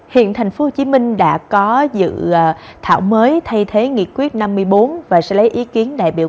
hiện thành phố hồ chí minh đã có dự thảo mới thay thế nghị quyết năm mươi bốn và sẽ lấy ý kiến đại biểu